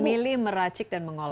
memilih meracik dan mengolah